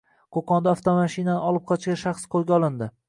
Qo‘qonda avtomashinani olib qochgan shaxs qo‘lga olindi